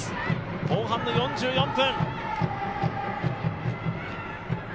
後半の４４分。